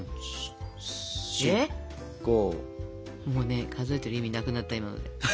もうね数えている意味なくなった今ので。